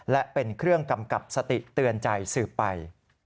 และเป็นเครื่องกำกับสติเตือนใจสืบไป